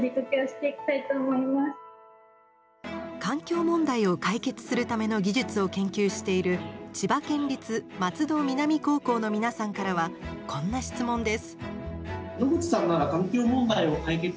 環境問題を解決するための技術を研究している千葉県立松戸南高校の皆さんからはこんな質問です。